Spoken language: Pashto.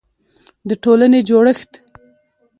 د ټولنې جوړښت